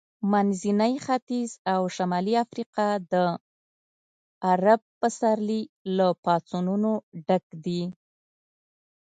منځنی ختیځ او شمالي افریقا د عرب پسرلي له پاڅونونو ډک دي.